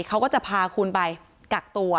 เขาก็จะพาคุณไปกักตัว